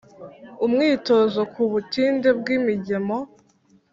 umwitozo ku butinde bwi migemo